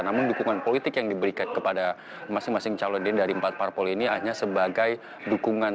namun dukungan politik yang diberikan kepada masing masing calon ini dari empat parpol ini hanya sebagai dukungan